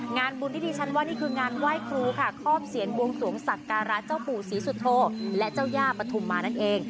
งานบุญที่ดิฉันว่านี่คืองานไหว้ครูค่ะครอบเสียนบวงสวงสักการะเจ้าปู่ศรีสุโธและเจ้าย่าปฐุมมานั่นเอง